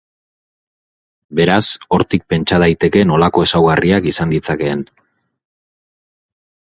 Beraz, hortik pentsa daiteke nolako ezaugarriak izan ditzakeen.